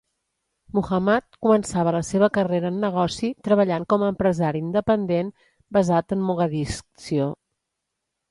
Muhammad començava la seva carrera en negoci, treballant com a empresari independent basat en Mogadiscio.